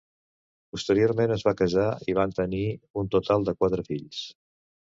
Posteriorment es van casar i van tenir un total de quatre fills.